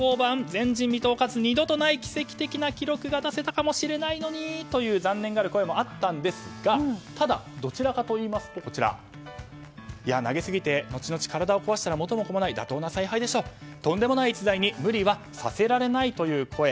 前人未到かつ二度とない奇跡的な記録が出せたかもしれないのにという残念がる声もあったんですがただ、どちらかといいますと投げすぎて後々、体を壊したら元も子もない妥当な采配でしょうとんでもない逸材に無理はさせられないという声。